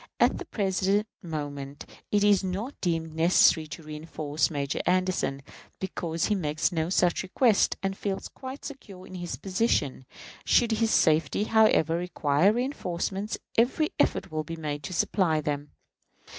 At the present moment it is not deemed necessary to reënforce Major Anderson, because he makes no such request, and feels quite secure in his position. Should his safety, however, require reënforcements, every effort will be made to supply them.